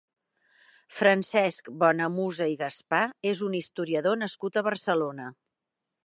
Francesc Bonamusa i Gaspà és un historiador nascut a Barcelona.